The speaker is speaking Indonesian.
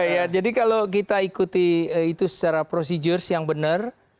ya jadi kalau kita ikuti itu secara prosedur yang benar